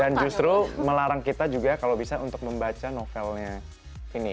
dan justru melarang kita juga kalau bisa untuk membaca novelnya ini